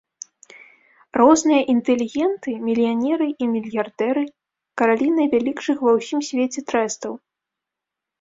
Розныя інтэлігенты, мільянеры і мільярдэры, каралі найвялікшых ва ўсім свеце трэстаў.